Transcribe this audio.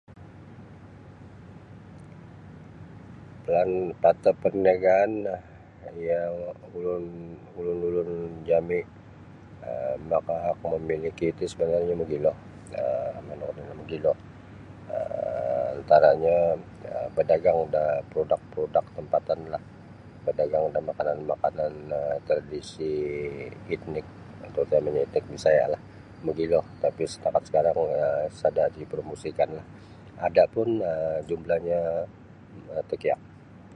Plan pata perniagaan um yang ulun-ulun jami um makahak memiliki ti sebenarnyo mogilo um manu kuo tino mogilo antara badagang da prodak-prodak tempatanlah badagang-badagang da makanan-makanan etnik terutamanya etnik Bisayalah mogilo tapi setakat sekarang sada dipromosikanlah ada pun jumlahnyo um takiak.